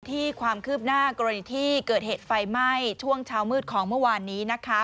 ความคืบหน้ากรณีที่เกิดเหตุไฟไหม้ช่วงเช้ามืดของเมื่อวานนี้นะคะ